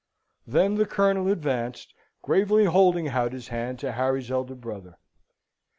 Then the Colonel advanced, gravely holding out his hand to Harry's elder brother.